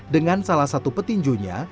dengan salah satu petinjunya